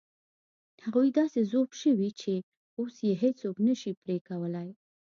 هغوی داسې ذوب شوي چې اوس یې هېڅوک نه شي پرې کولای.